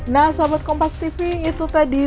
nah sahabat kompas tv itu tadi